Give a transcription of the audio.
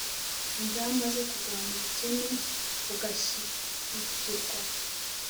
ingamba zo kurwanya ubukene bugashyigikirwa